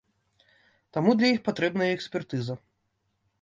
Таму для іх патрэбная экспертыза.